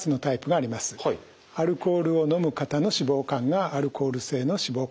アルコールを飲む方の脂肪肝がアルコール性の脂肪肝。